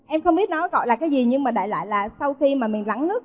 em không biết nó gọi là cái gì nhưng mà đại lại là sau khi mà mình rắn nước